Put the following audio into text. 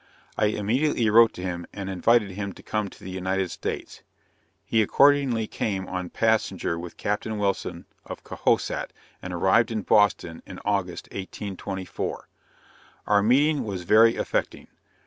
I immediately wrote to him, and invited him to come on to the United States. He accordingly came on passenger with Captain Wilson of Cohasset, and arrived in Boston, in August, 1824. Our meeting was very affecting.